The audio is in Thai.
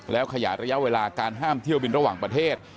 แล้วขยายระยะเวลาการห้ามเที่ยวบินระหว่างประเทศ